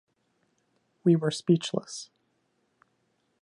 We were speechless.